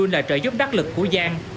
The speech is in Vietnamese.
là trợ giúp đắc lực của giang